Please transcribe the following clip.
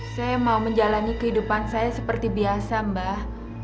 saya mau menjalani kehidupan saya seperti biasa mbak